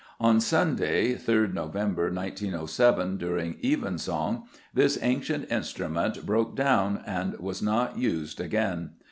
On Sunday, 3rd November 1907, during Evensong, this ancient instrument broke down and was not used again.